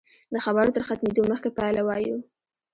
د خبرو تر ختمېدو مخکې پایله وایو.